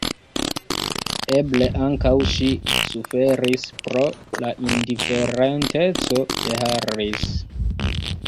Eble ankaŭ ŝi suferis pro la indiferenteco de Harris.